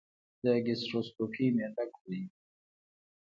د ګیسټروسکوپي معده ګوري.